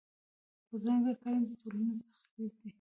بدرنګه کړنې د ټولنې تخریب دي